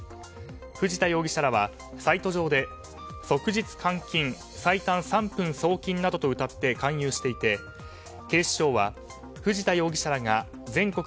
藤田容疑者らはサイト上で即日換金最短３分送金などとうたって勧誘していて警視庁は藤田容疑者らが全国